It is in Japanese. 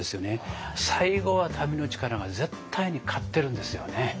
最後は民の力が絶対に勝ってるんですよね。